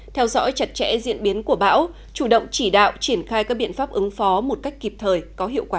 theo dõi chặt chẽ diễn biến của bão chủ động chỉ đạo triển khai các biện pháp ứng phó một cách kịp thời có hiệu quả